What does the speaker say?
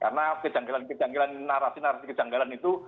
karena kejanggalan kejanggalan narasi narasi kejanggalan itu